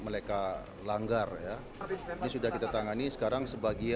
dalmas diam tidak ada yang maju sendiri